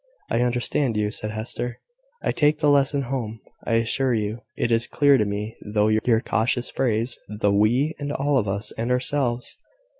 "I understand you," said Hester. "I take the lesson home, I assure you. It is clear to me through your cautious phrase, the `we,' and `all of us,' and `ourselves.'